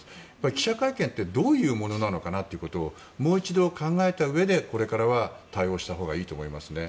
記者会見ってどういうものなのかなというのをもう一度考えたうえでこれからは対応したほうがいいと思いますね。